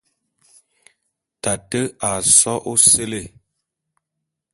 Tate a só ôséle.